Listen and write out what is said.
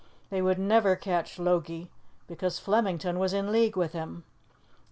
They would never catch Logie, because Flemington was in league with him.